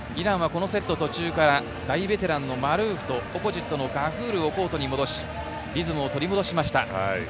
イランはこのセットの途中から大ベテランのマルーフとオポジットのガフールをコートに戻しリズムを取り戻しました。